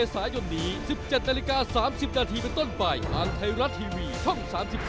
ทางไทยรัฐทีวีช่อง๓๒